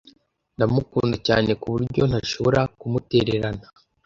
Ndamukunda cyane kuburyo ntashobora kumutererana.